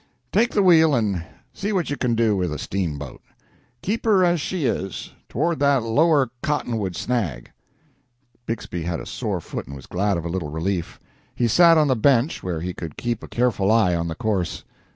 Take the wheel and see what you can do with a steamboat. Keep her as she is toward that lower cottonwood snag." Bixby had a sore foot and was glad of a little relief. He sat on the bench where he could keep a careful eye on the course.